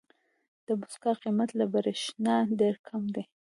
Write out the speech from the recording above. د موسکا قیمت له برېښنا ډېر کم دی.